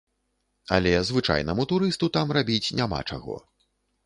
Але звычайнаму турысту там рабіць няма чаго.